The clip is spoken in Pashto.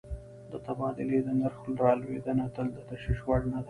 د تبادلې د نرخ رالوېدنه تل د تشویش وړ نه ده.